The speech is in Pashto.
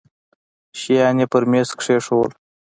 شيان يې پر ميز کښېښوول.